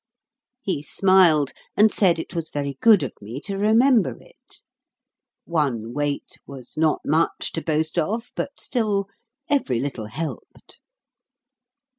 He smiled, and said it was very good of me to remember it. One wait was not much to boast of, but still, every little helped.